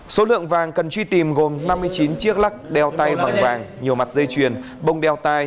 số lượng vàng cần truy tìm gồm năm mươi chín chiếc lắc đeo tay bằng vàng nhiều mặt dây chuyền bông đeo tay